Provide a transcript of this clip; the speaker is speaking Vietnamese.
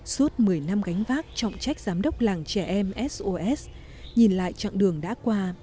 suốt một mươi năm gánh vác trọng trách giám đốc làng trẻ em sos nhìn lại chặng đường đã qua